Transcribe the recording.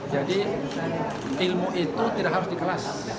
jadi ilmu itu tidak harus di kelas